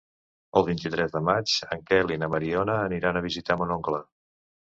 El vint-i-tres de maig en Quel i na Mariona aniran a visitar mon oncle.